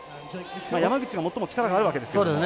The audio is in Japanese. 山口が最も力があるわけですけども。